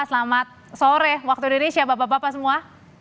selamat sore waktu indonesia bapak bapak semua